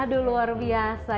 aduh luar biasa